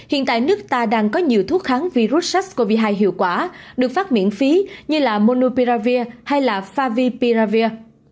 hiện tại nước ta đang có nhiều thuốc kháng virus sars cov hai hiệu quả được phát miễn phí như là monopiravir hay là favipiravir